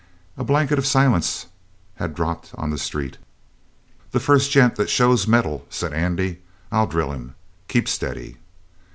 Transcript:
A blanket of silence had dropped on the street. "The first gent that shows metal," said Andy, "I'll drill him. Keep steady!"